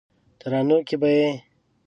ترانو کې به یې